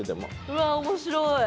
うわ面白い。